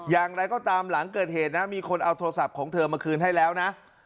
อย่างไรก็ตามหลังเกิดเหตุนะมีคนเอาโทรศัพท์ของเธอมาคืนให้แล้วนะ